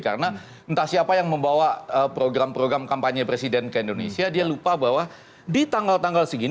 karena entah siapa yang membawa program program kampanye presiden ke indonesia dia lupa bahwa ini adalah hal yang harus dilakukan